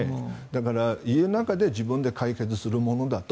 だから、家の中で自分で解決するものだと。